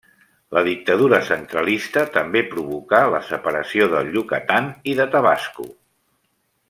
La dictadura centralista també provocà la separació del Yucatán i de Tabasco.